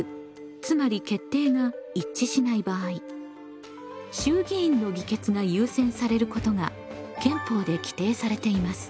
つまり決定が一致しない場合衆議院の議決が優先されることが憲法で規定されています。